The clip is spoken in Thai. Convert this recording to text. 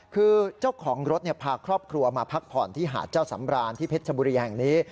คือเจ้าของรถพาครอบครัวมาพักผ่อนที่หาดเจ้าสำราญที่เพชรชบุรีแห่งนี้